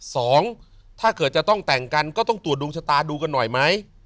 สองถ้าเกิดจะต้องแต่งกันก็ต้องตรวจดวงชะตาดูกันหน่อยไหม